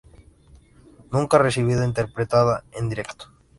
Nunca ha sido interpretada en directo.